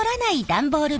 段ボール